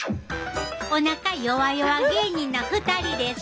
おなかよわよわ芸人の２人です！